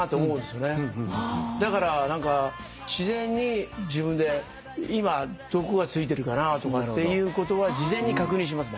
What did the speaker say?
だから自然に自分で今どこがついてるかなとか事前に確認しますね。